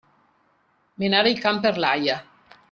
Menare il can per l'aia.